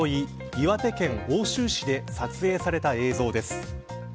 岩手県奥州市で撮影された映像です。